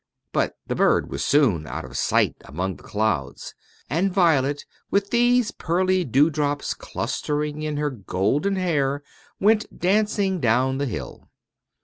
But the bird was soon out of sight among the clouds, and Violet, with these pearly dewdrops clustering in her golden hair, went dancing down the hill.